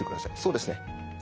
そうですね。